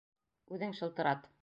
Үҙең шылтырат.